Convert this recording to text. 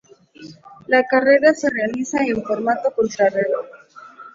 La carrera se realiza en formato contrarreloj.